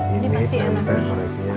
ini tempe gorengnya